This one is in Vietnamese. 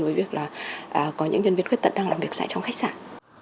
với việc là có những nhân viên khuyết tật đang làm việc tại trong khách sạn